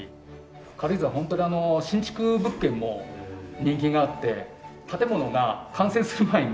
軽井沢ホントに新築物件も人気があって建物が完成する前に。